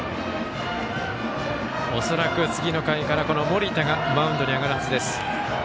恐らく、次の回から盛田がマウンドに上がるはずです。